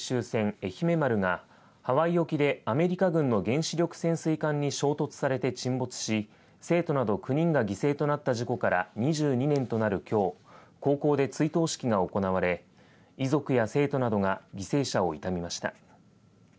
えひめ丸が、ハワイ沖でアメリカ軍の原子力潜水艦に衝突されて沈没し生徒など９人が犠牲となった事故から２２年となるきょう高校で追悼式が行われ遺族や生徒などが犠牲者を悼みました。